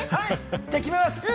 じゃあ決めます。